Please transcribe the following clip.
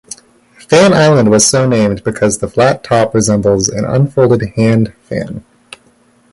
Fan Island was so named because the flat top resembles an unfolded hand fan.